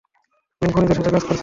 তুমি খুনিদের সাথে কাজ করছ?